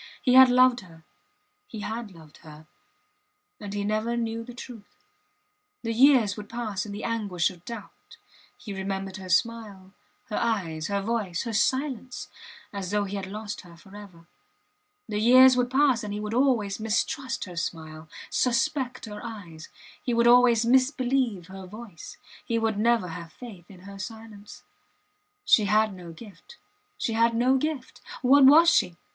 He had loved her he had loved her and he never knew the truth ... The years would pass in the anguish of doubt ... He remembered her smile, her eyes, her voice, her silence, as though he had lost her forever. The years would pass and he would always mistrust her smile, suspect her eyes; he would always misbelieve her voice, he would never have faith in her silence. She had no gift she had no gift! What was she?